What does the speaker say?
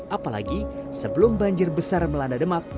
apalagi sebelum banjir besar melanda demak